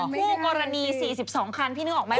คู่กรณี๔๒คันพี่นึกออกไหม